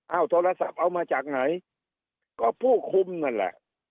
เอาโทรศัพท์เอามาจากไหนก็ผู้คุมนั่นแหละ